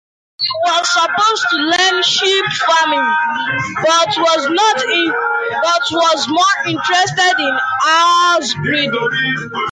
He was supposed to learn sheep farming, but was more interested in horse breeding.